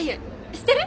知ってる？